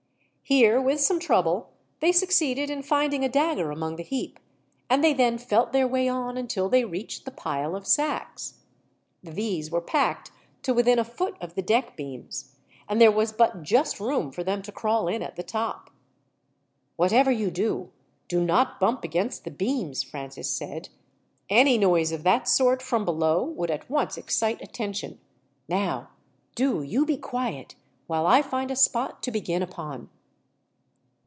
Here, with some trouble, they succeeded in finding a dagger among the heap, and they then felt their way on, until they reached the pile of sacks. These were packed to within a foot of the deck beams, and there was but just room for them to crawl in at the top. "Whatever you do, do not bump against the beams," Francis said. "Any noise of that sort, from below, would at once excite attention. Now do you be quiet, while I find a spot to begin upon."